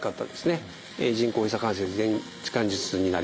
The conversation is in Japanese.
人工ひざ関節置換術になります。